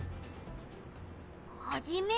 ハジメ！